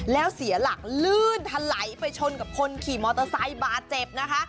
แล้วเสียหลักลื่นทะไหลไปชนกับคนขี่มอเตอร์ไซค์บาดเจ็บนะคะ